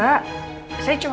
hah mau ke kamarnya mbak sienna